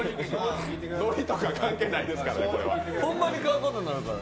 ノリとか関係ないですからこれね。